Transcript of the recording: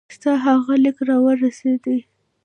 ستا هغه لیک را ورسېدی.